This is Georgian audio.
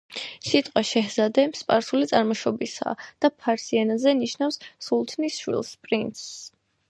სიტყვა „შეჰზადე“ სპარსული წარმოშობისაა და ფარსი ენაზე ნიშნავს „სულთნის შვილს, პრინცს“.